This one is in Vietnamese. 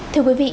thưa quý vị